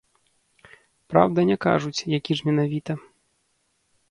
Праўда, не кажуць, які ж менавіта.